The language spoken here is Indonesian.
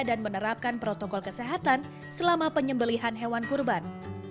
dan menerapkan protokol kesehatan selama penyembelian hewan kurban